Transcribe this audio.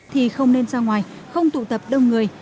thì không nên ra ngoài không tụ tập đông người